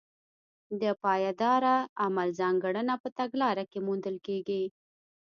د پایداره عمل ځانګړنه په تګلاره کې موندل کېږي.